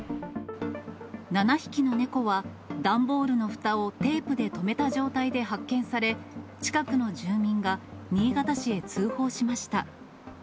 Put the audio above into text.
７匹の猫は、段ボールのふたをテープで留めた状態で発見され、近くの住民が新潟市へ通報しました。